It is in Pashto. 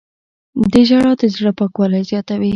• ژړا د زړه پاکوالی زیاتوي.